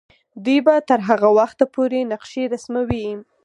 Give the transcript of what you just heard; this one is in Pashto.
دوی به تر هغه وخته پورې نقشې رسموي.